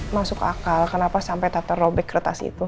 masuk akal kenapa sampai tante merobek kertas itu